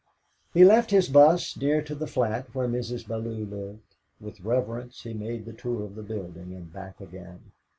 He left his bus near to the flat where Mrs. Bellow lived; with reverence he made the tour of the building and back again.